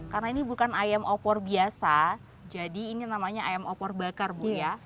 karena ini bukan ayam opor biasa jadi ini namanya ayam opor bakar bu ya